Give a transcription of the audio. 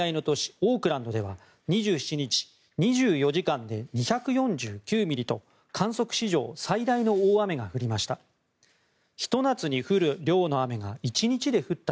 オークランドでは２７日、２４時間で２４９ミリと観測史上最大の大雨が降りました。